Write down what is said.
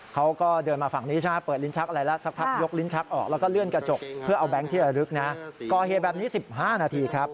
ก่อเฮียบาร์แบบนี้๑๕นาทีครับ